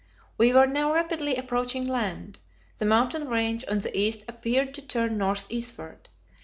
We were now rapidly approaching land; the mountain range on the east appeared to turn north eastward.